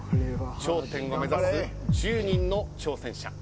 頂点を目指す１０人の挑戦者。